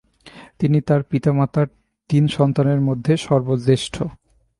তিনি তার পিতামাতার তিন সন্তানের মধ্যে সর্বজ্যেষ্ঠ।